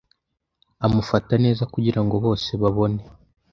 amufata neza kugirango bose babone